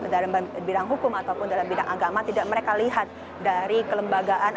dalam bidang hukum ataupun dalam bidang agama tidak mereka lihat dari kelembagaan